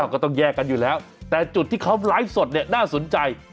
ก็ต้องแยกกันอยู่แล้วแต่จุดที่เขาไลฟ์สดเนี่ยน่าสนใจ